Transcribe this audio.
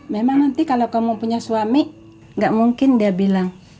memang nanti kalau kamu punya suami nggak mungkin dia bilang